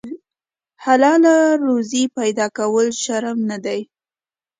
حلاله روزي پیدا کول شرم نه دی.